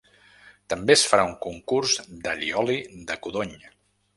També és farà un concurs d’all i oli de codony.